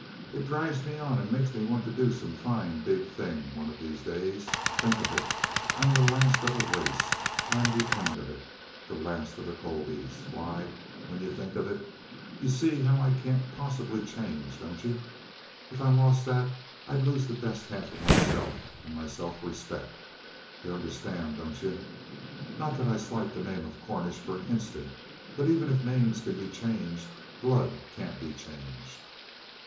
It drives me on and makes me want to do some fine big thing one of these days. Think of it! I'm the last of a race. I'm the end of it. The last of the Colbys! Why, when you think of it, you see how I can't possibly change, don't you? If I lost that, I'd lose the best half of myself and my self respect! You understand, don't you? Not that I slight the name of Cornish for an instant. But even if names can be changed, blood can't be changed!"